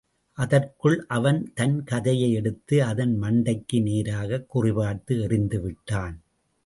அதற்குள் அவன் தன் கதையை எடுத்து அதன் மண்டைக்கு நேராகக் குறிபார்த்து எறிந்துவிட்டான்.